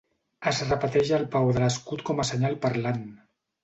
Es repeteix el paó de l'escut com a senyal parlant.